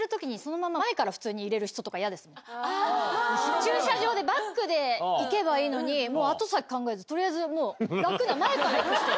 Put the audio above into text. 駐車場でバックで行けばいいのに後先考えず取りあえず楽な前から行く人。